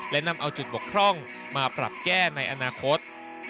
และนำเอาจุดบกพร่องมาปรับแก้ในอนาคต